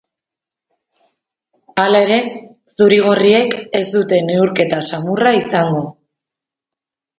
Hala ere, zuri-gorriek ez dute neurketa samurra izango.